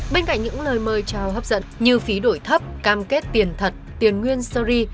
bên cạnh những lời mời trao hấp dẫn như phí đổi thấp cam kết tiền thật tiền nguyên series